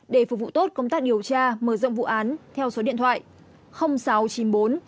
để phục vụ tốt công tác điều tra mở rộng vụ án theo số điện thoại sáu trăm chín mươi bốn một trăm linh ba trăm ba mươi một